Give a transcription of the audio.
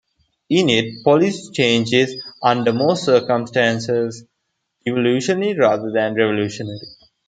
In it, policy change is, under most circumstances, evolutionary rather than revolutionary.